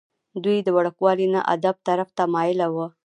دوي د وړوکوالي نه ادب طرف ته مائله وو ۔